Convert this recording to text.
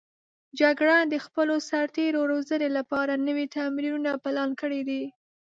جګړن د خپلو سرتېرو روزنې لپاره نوي تمرینونه پلان کړي دي.